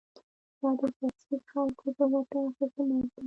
دا د شخصي خلکو په ګټه حکومت دی